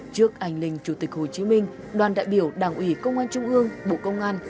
trước ảnh linh chủ tịch hồ chí minh đoàn đại biểu đảng ủy công an trung ương bộ công an